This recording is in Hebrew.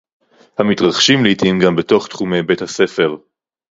המתרחשים לעתים גם בתוך תחומי בית-הספר